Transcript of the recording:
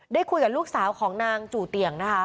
ได้คุยกับลูกสาวของนางจู่เตียงนะคะ